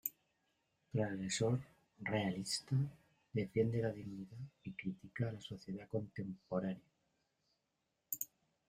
Transgresor, realista, defiende la dignidad y critica a la sociedad contemporánea.